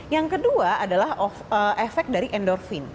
yang kedua adalah efek dari endorfin